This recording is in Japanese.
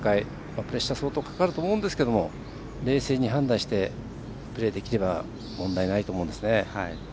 プレッシャー相当かかると思うんですけど冷静に判断してプレーできれば問題ないと思うんですね。